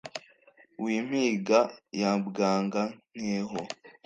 w’impinga ya bwanga-nkeho